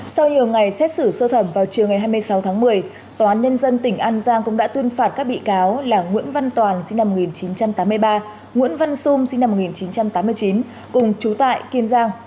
sau nhiều ngày xét xử sơ thẩm vào chiều ngày hai mươi sáu tháng một mươi tòa án nhân dân tỉnh an giang cũng đã tuyên phạt các bị cáo là nguyễn văn toàn sinh năm một nghìn chín trăm tám mươi ba nguyễn văn xung sinh năm một nghìn chín trăm tám mươi chín cùng chú tại kiên giang